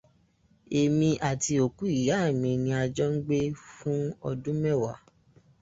Èmi àti òkú ìyá mí ni a jọ ń gbé fún ọdún mẹ́wàá.